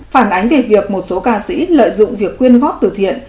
phản ánh về việc một số ca sĩ lợi dụng việc quyên góp từ thiện